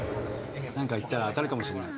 何か言ったら当たるかもしんない。